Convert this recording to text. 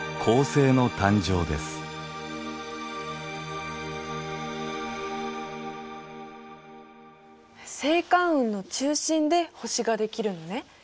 星間雲の中心で星ができるのね。